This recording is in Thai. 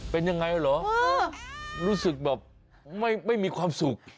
เป็นยังไงเหรอรู้สึกแบบไม่มีความสุข